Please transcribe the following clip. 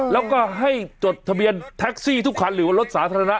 แล้วก็ให้จดทะเบียนแท็กซี่ทุกคันหรือว่ารถสาธารณะ